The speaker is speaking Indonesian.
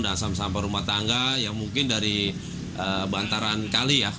dan sampah sampah rumah tangga yang mungkin dari bantaran kali